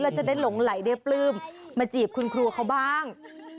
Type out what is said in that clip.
แล้วจะได้หลงไหลได้ปลื้มมาจีบคุณครูเขาบ้าง